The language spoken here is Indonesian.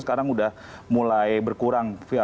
sekarang udah mulai berkurang